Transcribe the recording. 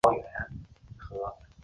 中华人民共和国科学家。